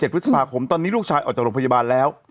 พฤษภาคมตอนนี้ลูกชายออกจากโรงพยาบาลแล้ว